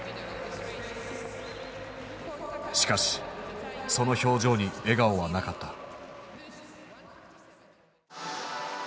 しかしその表情に笑顔はなかった。